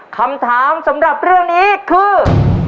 คำถามสำหรับเรื่องนี้คือ